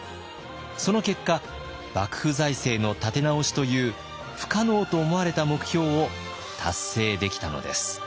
その結果幕府財政の立て直しという不可能と思われた目標を達成できたのです。